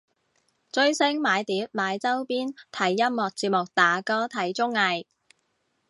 追星買碟買周邊睇音樂節目打歌睇綜藝